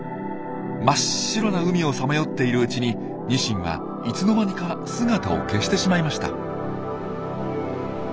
真っ白な海をさまよっているうちにニシンはいつの間にか姿を消してしまいました。